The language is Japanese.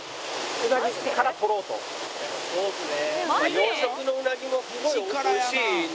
そうですね。